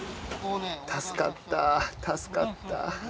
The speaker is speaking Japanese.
助かった助かった。